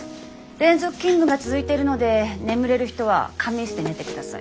連続勤務が続いているので眠れる人は仮眠室で寝てください。